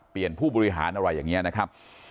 เปลี่ยนผู้บริหารอะไรอย่างนี้นะครับ